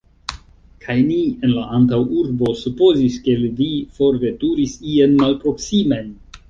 Kaj ni en la antaŭurbo supozis, ke vi forveturis ien malproksimen!